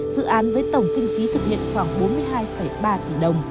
dự án với tổng kinh phí thực hiện khoảng bốn mươi hai ba tỷ đồng